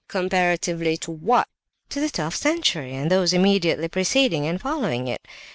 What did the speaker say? "Comparatively to what?" "To the twelfth century, and those immediately preceding and following it.